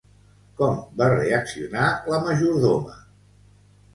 Com va reaccionar la majordoma?